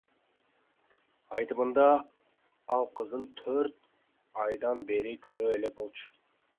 Айтымында, ал кызын төрт айдан бери көрө элек болчу.